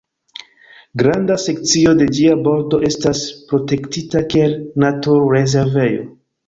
Granda sekcio de ĝia bordo estas protektita kiel naturrezervejo.